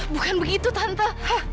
bukan begitu tante